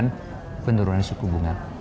dengan penurunan suku bunga